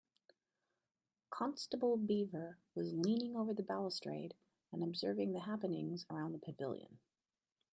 Constable Beaver was leaning over the balustrade and observing the happenings around the pavilion.